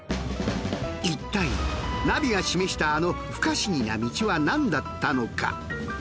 いったいナビが示したあの不可思議な道はなんだったのか？